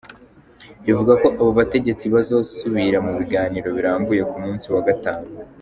Rivuga ko abo bategetsi bazosubira mu biganiro birambuye ku munsi wa gatanu.